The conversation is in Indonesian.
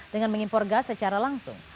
dengan mengimpor gas secara langsung